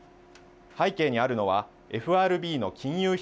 背景にあるのはＦＲＢの金融